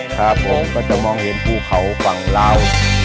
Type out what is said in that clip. ครับผมก็จะมองเห็นภูเขาฝั่งลาว